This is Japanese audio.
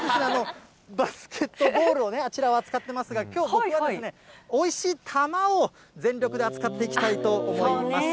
バスケットボールをあちらは使ってますが、きょう、僕はですね、おいしい玉を全力で扱っていきたいと思います。